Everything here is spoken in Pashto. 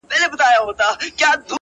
دا کيسه د ټولنې ژور نقد دی او فکر اړوي-